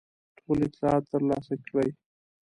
ټول اطلاعات ترلاسه کړي.